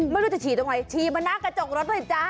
ไม่รู้จะฉี่ตรงไหนฉี่มาหน้ากระจกรถด้วยจ๊ะ